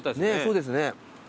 そうですね。